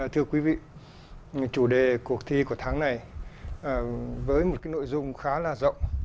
thưa quý vị chủ đề cuộc thi của tháng này với một cái nội dung khá là rộng